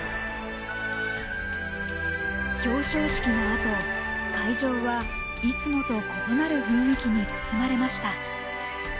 表彰式のあと会場はいつもと異なる雰囲気に包まれました。